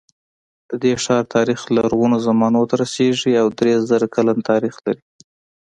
د دې ښار تاریخ لرغونو زمانو ته رسېږي او درې زره کلن تاریخ لري.